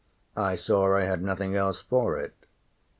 I saw I had nothing else for it.